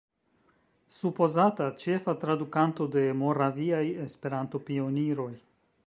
Supozata ĉefa tradukanto de Moraviaj Esperanto-Pioniroj.